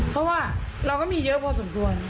เพราะว่าเราก็มีเยอะพอสมควร